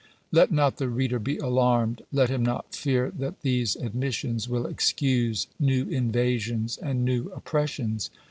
Let not the reader be alarmed. Let him not fear that these admissions will excuse new invasions and new oppressions.